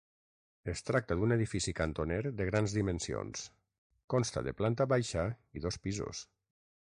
Es tracta d'un edifici cantoner de grans dimensions, consta de planta baixa i dos pisos.